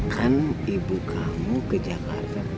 kan ibu kamu ke jakarta bertemu sama ayah